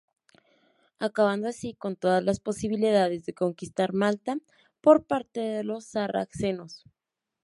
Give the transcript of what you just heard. Acabando así con todas las posibilidades de conquistar Malta por parte de los sarracenos.